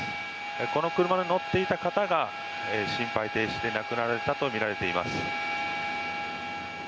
この車に乗っていた方が心肺停止で亡くなられたとみられています。